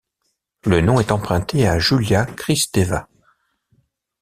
Le nom est emprunté à Julia Kristeva.